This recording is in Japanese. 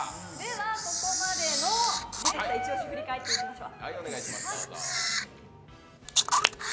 ここまで出てきた一押しを振り返ってみましょう。